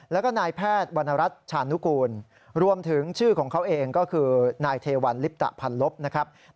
แล้วก็นายแพทย์วรรณรัฐชานุกูลรวมถึงชื่อของเขาเองก็คือนายเทวันลิปตะพันลบนะครับ